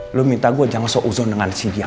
lu minta gue jangan so uzon dengan si dia